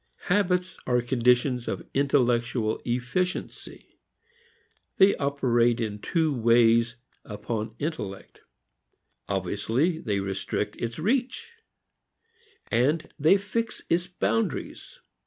Habits are conditions of intellectual efficiency. They operate in two ways upon intellect. Obviously, they restrict its reach, they fix its boundaries.